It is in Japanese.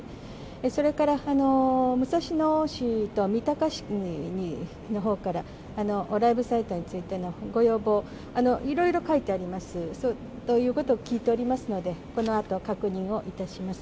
それから武蔵野市と三鷹市のほうから、ライブサイトについてのご要望、いろいろ書いてありますということを聞いておりますので、このあと確認をいたします。